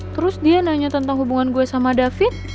terus dia nanya tentang hubungan gue sama david